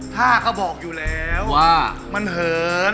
ท่าก็บอกอยู่แล้วมันเหิน